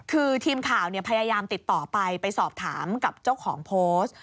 คือทีมข่าวพยายามติดต่อไปไปสอบถามกับเจ้าของโพสต์